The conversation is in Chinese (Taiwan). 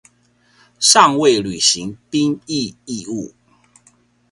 尙未履行兵役義務